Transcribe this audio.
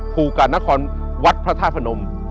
ภูกรณคอนวัดพระธาปนม